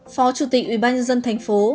phó chủ tịch ubnd tp